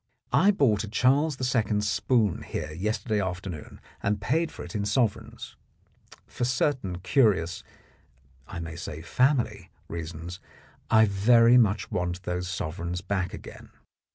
I bought a Charles II. spoon here yester day afternoon and paid for it in sovereigns. For certain curious, I may say family, reasons, I very much want those sovereigns back again.